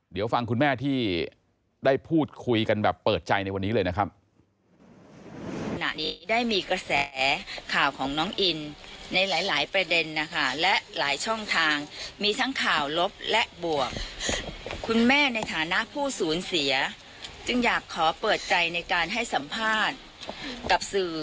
เดี๋ยวฟังคุณแม่ที่ได้พูดคุยกันแบบเปิดใจในวันนี้เลยนะครับ